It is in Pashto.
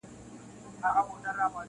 • په نصیب یې ورغلی شین جنت وو -